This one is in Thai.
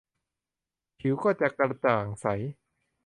ผิวก็จะกระจ่างใส